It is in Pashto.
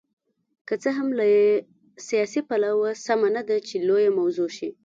که څه هم له سیاسي پلوه سمه نه ده چې لویه موضوع شي.